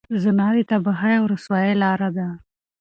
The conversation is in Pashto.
زنا د تباهۍ او رسوایۍ لاره ده.